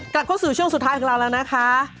กลับเข้าสู่ช่วงสุดท้ายของเราแล้วนะคะ